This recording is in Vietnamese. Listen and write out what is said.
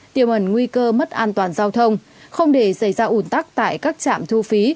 tiềm ẩn nguy cơ mất an toàn giao thông không để xảy ra ủn tắc tại các trạm thu phí